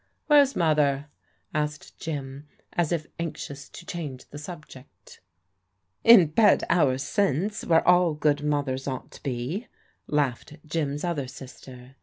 "Where's Mother?" asked Jim as if anxious to change the subject, In bed hours since, where all good mothers ought to be," laughed Jim's other sister.